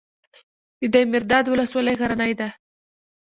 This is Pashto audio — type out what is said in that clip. د دایمیرداد ولسوالۍ غرنۍ ده